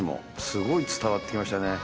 すごい伝わって来ましたね。